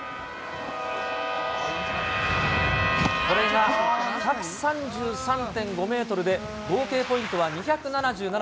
これが１３３．５メートルで、合計ポイントは２７７．８。